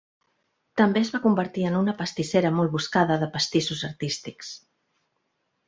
També es va convertir en una pastissera molt buscada de "pastissos artístics".